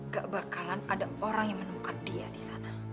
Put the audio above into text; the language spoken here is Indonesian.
gak bakalan ada orang yang menemukan dia di sana